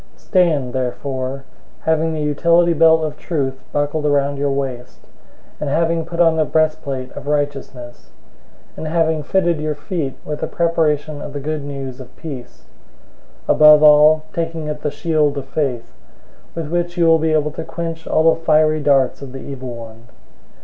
006:014 Stand therefore, having the utility belt of truth buckled around your waist, and having put on the breastplate of righteousness, 006:015 and having fitted your feet with the preparation of the Good News of peace; 006:016 above all, taking up the shield of faith, with which you will be able to quench all the fiery darts of the evil one.